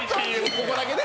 ここだけね。